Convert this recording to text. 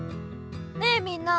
ねえみんな。